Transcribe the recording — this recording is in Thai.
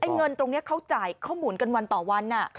เงินตรงนี้เขาจ่ายเขาหมุนกันวันต่อวัน